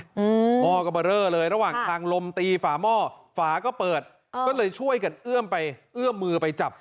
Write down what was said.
หม้อก็เบอร์เลอร์เลยระหว่างทางลมตีฝาหม้อฝาก็เปิดอ่าก็เลยช่วยกันเอื้อมไปเอื้อมมือไปจับ